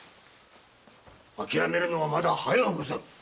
諦めるのはまだ早うござる。